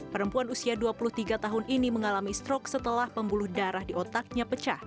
perempuan usia dua puluh tiga tahun ini mengalami strok setelah pembuluh darah di otaknya pecah